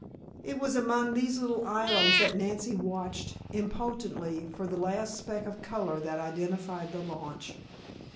It was among these little islands that Nancy watched, impotently, for the last speck of color that identified the launch.